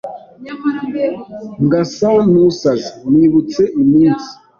ngasa nusaze .nibutse iminsi